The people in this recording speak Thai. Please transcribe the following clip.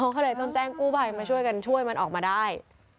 เขาเลยต้องแจ้งกู้ภัยมาช่วยกันช่วยมันออกมาได้